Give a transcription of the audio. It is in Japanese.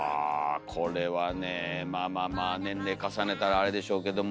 これはねまあまあまあ年齢重ねたらあれでしょうけども。